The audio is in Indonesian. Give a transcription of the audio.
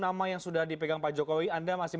nama yang sudah dipegang pak jokowi anda masih